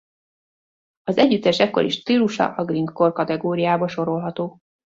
Az együttes ekkori stílusa a grindcore kategóriába sorolható.